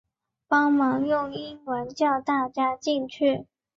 帮忙用英文叫大家进去